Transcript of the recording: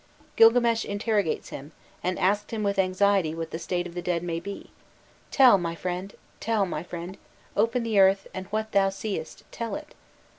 Gilgames interrogates him, and asks him with anxiety what the state of the dead may be: "'Tell, my friend, tell, my friend, open the earth and what thou seest tell it.